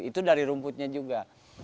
itu dari rumputnya juga